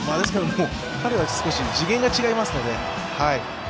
もう彼は、少し次元が違いますので。